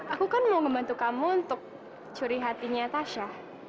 aku kan mau membantu kamu untuk curi hatinya tasha